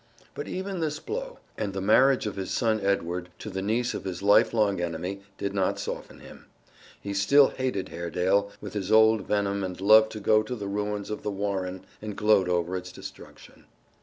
But even this blow, and the marriage of his son Edward to the niece of his lifelong enemy, did not soften him. He still hated Haredale with his old venom and loved to go to the ruins of The Warren and gloat over its destruction.